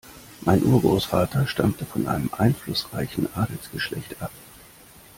Mein Urgroßvater stammte von einem einflussreichen Adelsgeschlecht ab.